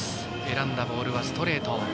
選んだボールはストレート。